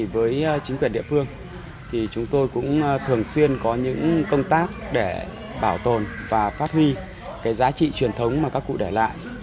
với chính quyền địa phương thì chúng tôi cũng thường xuyên có những công tác để bảo tồn và phát huy giá trị truyền thống mà các cụ để lại